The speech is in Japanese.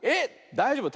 だいじょうぶ。